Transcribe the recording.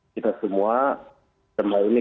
kita semua semua ini